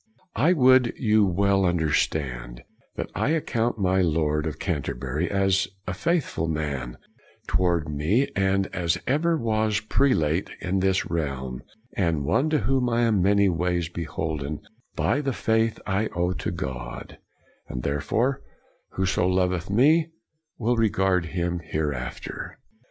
I would you would well understand that I account my Lord of Canterbury as faithful a man toward me as ever was prelate in this realm, and one to whom I am many ways beholden by the faith I owe to God; and therefore whoso loveth me will regard him hereafter.'